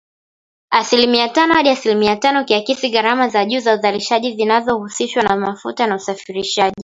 Asilimia tano hadi asilimia tano, ukiakisi gharama za juu za uzalishaji zinazohusishwa na mafuta na usafirishaji